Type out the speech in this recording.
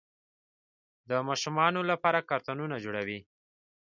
د ماشومانو لپاره کارتونونه جوړوي.